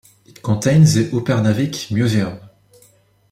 It contains the Upernavik Museum.